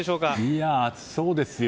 いや、暑そうですよ